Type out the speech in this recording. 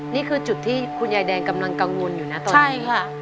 นี่คือจุดที่คุณยายแดงกำลังกังวลอยู่นะตอนนี้